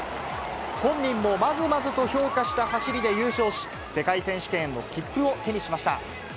本人もまずまずと評価した走りで優勝し、世界選手権への切符を手にしました。